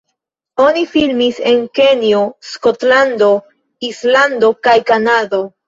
Oni filmis en Kenjo, Skotlando, Islando kaj Kanado.